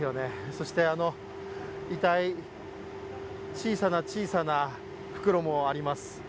そして遺体、小さな小さな袋もあります。